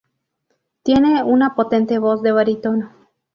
Tiene una potente voz de barítono.